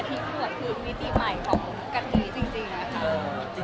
จริงปกติเราเป็นคนทำกับข้าวเองไหมคะลงครัวเองไหมทั้งคู่ยังไงบ้าง